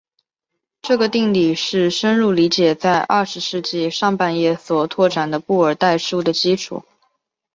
这个定理是深入理解在二十世纪上半叶所拓展的布尔代数的基础。